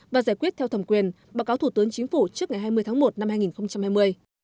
và giải quyết theo thẩm quyền báo cáo thủ tướng chính phủ trước ngày hai mươi tháng một năm hai nghìn hai mươi